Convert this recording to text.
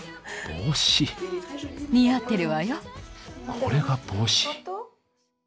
これが帽子？